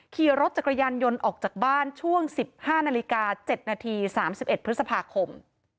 ขี่รถจักรยานยนต์ออกจากบ้านช่วง๑๕นาฬิกา๗นาที๓๑พฤษภาคม